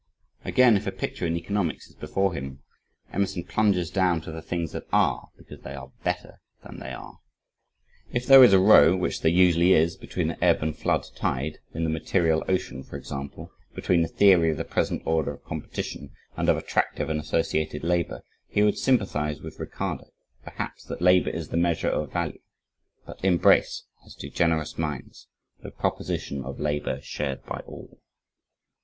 Again, if a picture in economics is before him, Emerson plunges down to the things that ARE because they are BETTER than they are. If there is a row, which there usually is, between the ebb and flood tide, in the material ocean for example, between the theory of the present order of competition, and of attractive and associated labor, he would sympathize with Ricardo, perhaps, that labor is the measure of value, but "embrace, as do generous minds, the proposition of labor shared by all."